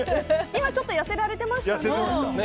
今ちょっと痩せられていましたね。